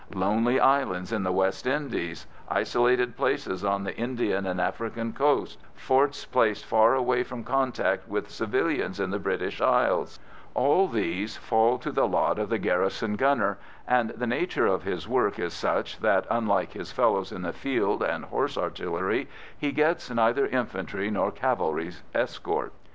Lonely islands in the West Indies, isolated places on the Indian and African coast, forts placed far away from contact with civilians in the British Isles all these fall to the lot of the garrison gunner, and the nature of his work is such that, unlike his fellows in the field and horse artillery, he gets neither infantry nor cavalry escort.